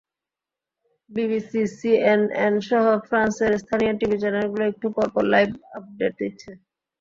BBC, সিএনএনসহ ফ্রান্সের স্থানীয় টিভি চ্যানেলগুলো একটু পরপর লাইভ আপডেট দিচ্ছে।